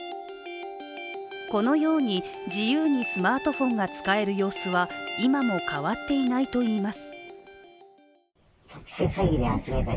このように自由にスマートフォンが使える様子は、今も変わっていないといいます。